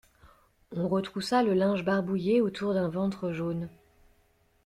On retroussa le linge barbouillé autour d'un ventre jaune.